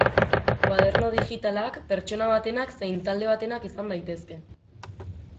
Koaderno digitalak pertsona batenak zein talde batenak izan daitezke.